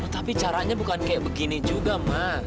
tapi caranya bukan kayak begini juga mak